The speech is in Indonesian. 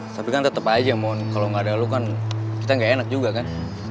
tapi kan tetep aja mon kalau gak ada lo kan kita gak enak juga kan